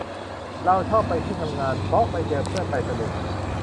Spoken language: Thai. เราชอบไปที่ทำงาน เพราะไปเจอเพื่อน ไปสนุก